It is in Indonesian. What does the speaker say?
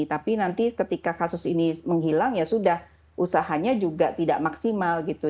tapi nanti ketika kasus ini menghilang ya sudah usahanya juga tidak maksimal gitu